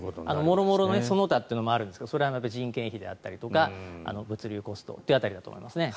諸々その他というのもあるんですがそれは人件費だったり物流コストという辺りだと思います。